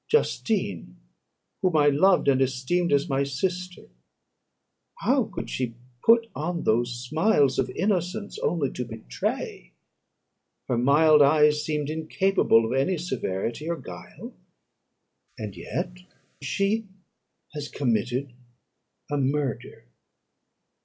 Justine, whom I loved and esteemed as my sister, how could she put on those smiles of innocence only to betray? her mild eyes seemed incapable of any severity or guile, and yet she has committed a murder."